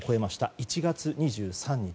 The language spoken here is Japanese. １月２３日。